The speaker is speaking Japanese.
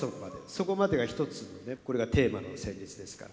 そこまでが一つのねこれがテーマの旋律ですから。